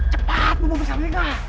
cepat mau bisa dengar